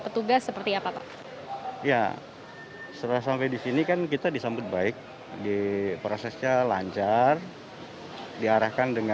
terima kasih pak